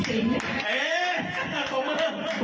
สมมุติภูมิ